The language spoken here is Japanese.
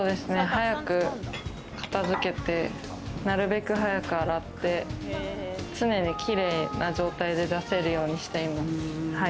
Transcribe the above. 早く片付けて、なるべく早く洗って、常に綺麗な状態で出せるようにしています。